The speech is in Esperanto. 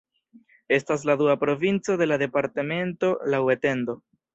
Estas la dua provinco de la departamento laŭ etendo.